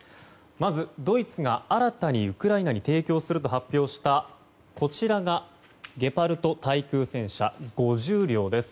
まずドイツが新たにウクライナに提供すると発表したこちらが「ゲパルト対空戦車」５０両です。